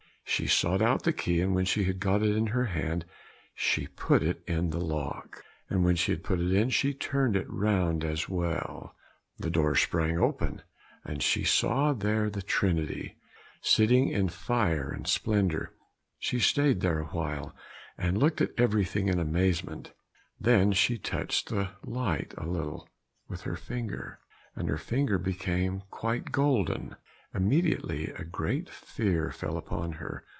She sought out the key, and when she had got it in her hand, she put it in the lock, and when she had put it in, she turned it round as well. Then the door sprang open, and she saw there the Trinity sitting in fire and splendour. She stayed there awhile, and looked at everything in amazement; then she touched the light a little with her finger, and her finger became quite golden. Immediately a great fear fell on her.